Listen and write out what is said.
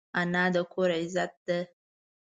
انا د کور عزت ده